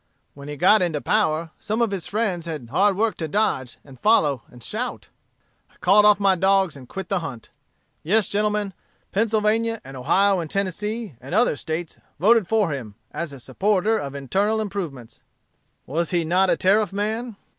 When he got into power, some of his friends had hard work to dodge, and follow, and shout. I called off my dogs, and quit the hunt. Yes, gentlemen, Pennsylvania, and Ohio, and Tennessee, and other States, voted for him, as a supporter of internal improvements. "Was he not a Tariff man?